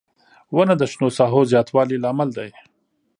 • ونه د شنو ساحو زیاتوالي لامل دی.